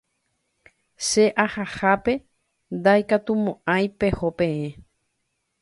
Che ahahápe ndaikatumo'ãi peho peẽ